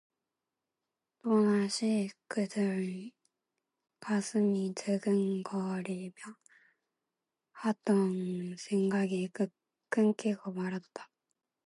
또다시 그들은 가슴이 두근거리며 하던 생각이 끊기고 말았다.